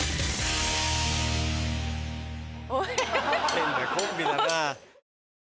変なコンビだな。